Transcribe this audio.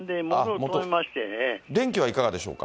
電気はいかがでしょうか。